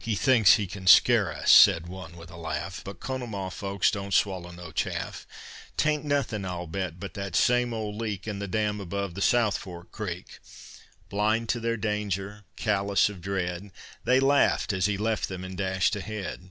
"He thinks he can scare us," said one, with a laugh, "But Conemaugh folks don't swallow no chaff; 'Tain't nothing, I'll bet, but the same old leak In the dam above the South Fork Creek." Blind to their danger, callous of dread, They laughed as he left them and dashed ahead.